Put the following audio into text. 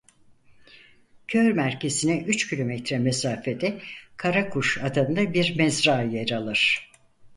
Köy merkezine üç kilometre mesafede "Karakuş" adında bir mezra yer alır.